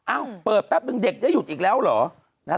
เปิดแป๊บนึงเด็กได้หยุดอีกแล้วเหรอ